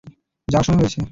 যাওয়ার সময় হয়েছে।